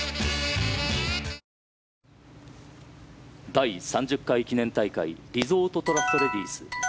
第３０回記念大会リゾートトラストレディス。